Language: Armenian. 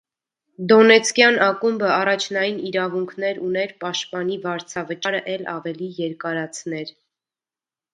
Դոնեցկյան ակումբը առաջնային իրավունքներ ուներ պաշտպանի վարձավճարը էլ ավելի երկարացներ։